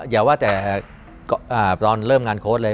อย่าว่าแต่ตอนเริ่มงานโค้ดเลย